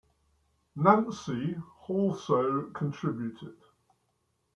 Nancy also contributed.